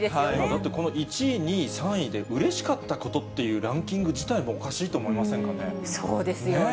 だって、この１位、２位、３位でうれしかったことっていうランキング自体がおかしいと思いそうですよね。